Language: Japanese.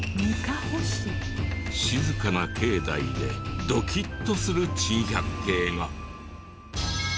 静かな境内でドキッとする珍百景が。